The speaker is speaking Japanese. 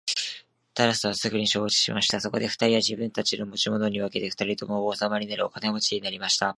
タラスはすぐ承知しました。そこで二人は自分たちの持ち物を分けて二人とも王様になり、お金持になりました。